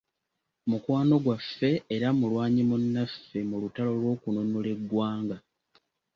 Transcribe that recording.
Mukwano gwaffe era mulwanyi munnaffe mu lutalo lw’okununula ggwanga